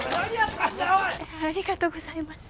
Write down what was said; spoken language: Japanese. ありがとうございます。